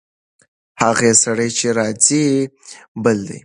هغه سړی چې راځي، بل دی.